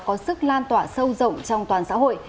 có sức lan tỏa sâu rộng trong toàn xã hội